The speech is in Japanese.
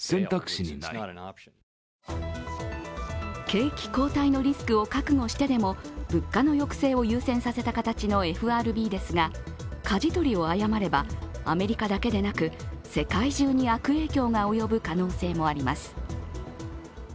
景気後退のリスクを覚悟してでも物価の抑制を優先させた形のＦＲＢですがかじ取りを誤ればアメリカだけでなく世界中に悪影響が及ぶ可能性もあります。